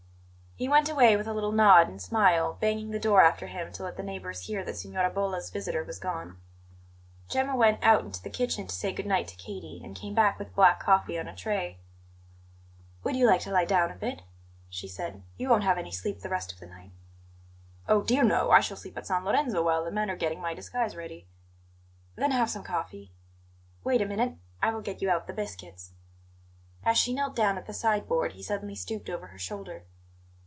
He went away with a little nod and smile, banging the door after him to let the neighbours hear that Signora Bolla's visitor was gone. Gemma went out into the kitchen to say good night to Katie, and came back with black coffee on a tray. "Would you like to lie down a bit?" she said. "You won't have any sleep the rest of the night." "Oh, dear no! I shall sleep at San Lorenzo while the men are getting my disguise ready." "Then have some coffee. Wait a minute; I will get you out the biscuits." As she knelt down at the side board he suddenly stooped over her shoulder.